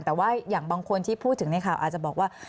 แต่ว่าอย่างบางคนที่พูดถึงในข่าวอาจจะบอกว่า